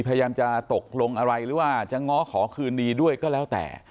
พยายามจะตกลงอะไรหรือว่าจะง้อขอคืนดีด้วยก็แล้วแต่